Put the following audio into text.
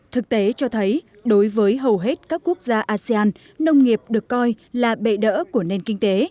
thực tế cho thấy đối với hầu hết các quốc gia asean nông nghiệp được coi là bệ đỡ của nền kinh tế